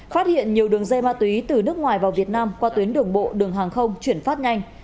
phát hiện nhiều đường dây ma túy từ nước ngoài vào việt nam qua tuyến đường bộ đường hàng không chuyển phát nhanh